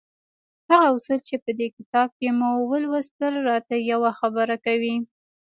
هغه اصول چې په دې کتاب کې مو ولوستل را ته يوه خبره کوي.